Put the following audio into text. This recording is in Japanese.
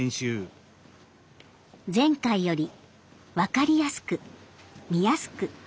前回より分かりやすく見やすく。